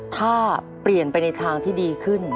ถ้าเปลี่ยนไปในทางที่ดีขึ้น